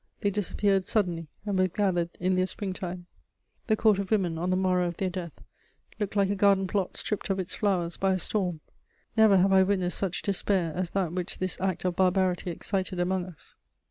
They disappeared suddenly and were gathered in their springtime; the 'Court of Women,' on the morrow of their death, looked like a garden plot stripped of its flowers by a storm. Never have I witnessed such despair as that which this act of barbarity excited among us."